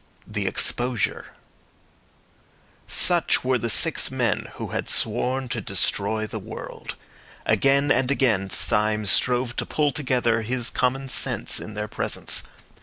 THE EXPOSURE Such were the six men who had sworn to destroy the world. Again and again Syme strove to pull together his common sense in their presence.